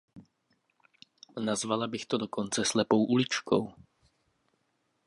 Nazvala bych to dokonce slepou uličkou.